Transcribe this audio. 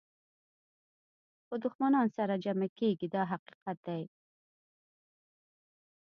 خو دښمنان سره جمع کېږي دا حقیقت دی.